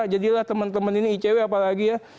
jadilah teman teman ini icw apalagi ya